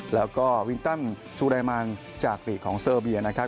แล้วก็วินตันซูไดมันจากปีกของเซอร์เบียนะครับ